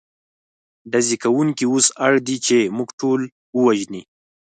ډزې کوونکي اوس اړ دي، چې موږ ټول ووژني.